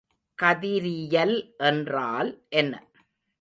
கதிரியல் என்றால் என்ன?